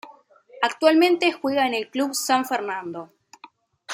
Actualmente juega en el Club San Fernando.